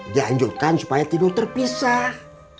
dianjurkan supaya tidur terpisah